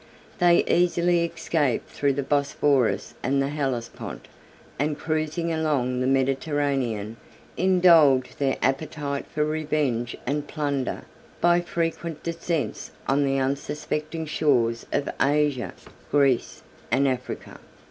They easily escaped through the Bosphorus and the Hellespont, and cruising along the Mediterranean, indulged their appetite for revenge and plunder by frequent descents on the unsuspecting shores of Asia, Greece, and Africa.